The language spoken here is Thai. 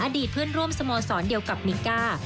อดีตเพื่อนร่วมสโมสรเดียวกับมิก้า